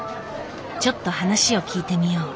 ちょっと話を聞いてみよう。